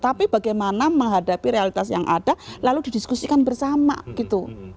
tapi bagaimana menghadapi realitas yang ada lalu didiskusikan bersama gitu